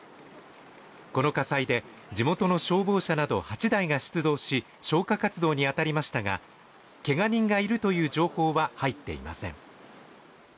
この火災で、地元の消防車など８台が出動し、消火活動にあたりましたが、けが人がいるという情報は入っていません。